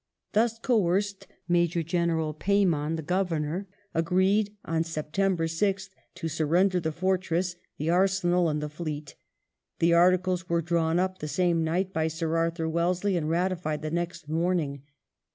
Thus coerced, Major General Pe3rman, the Governor, agreed on September 6th to surrender the fortress, the arsenal, and the fleet ; the articles were drawn up the same night by Sir Arthur Wellesley and ratified the next morning.